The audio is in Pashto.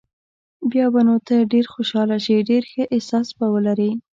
بیا به نو ته ډېر خوشاله شې، ډېر ښه احساس به ولرې.